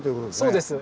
そうです。